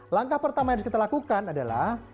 langkah pertama yang harus kita lakukan adalah